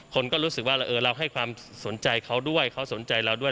คนก็รู้สึกว่าเราให้ความสนใจเขาด้วยเขาสนใจเราด้วย